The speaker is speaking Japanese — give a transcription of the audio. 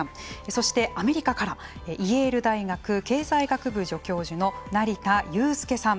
そしてアメリカからイェール大学経済学部助教授の成田悠輔さん。